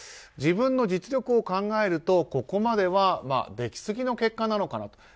自分の実力を考えるとここまではできすぎの結果なのかなと。